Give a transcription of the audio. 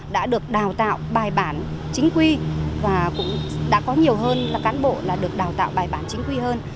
đã được đào tạo bài bản chính quy và cũng đã có nhiều hơn là cán bộ được đào tạo bài bản chính quy hơn